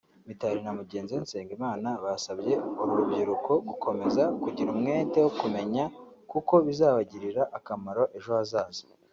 Mitali na mugenzi we Nsengimana basabye uru rubyiruko gukomeza kugira umwete wo kumenya kuko bizabagirira akamaro ejo hazaza